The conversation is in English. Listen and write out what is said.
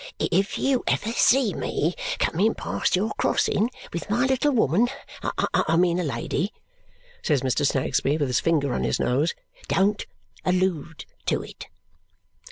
"If you ever see me coming past your crossing with my little woman I mean a lady " says Mr. Snagsby with his finger on his nose, "don't allude to it!"